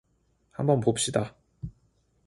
한번 봅시다.